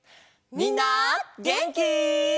みんなげんき？